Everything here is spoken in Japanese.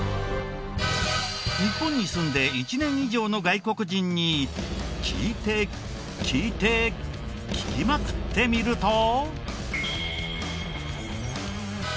日本に住んで１年以上の外国人に聞いて聞いて聞きまくってみると。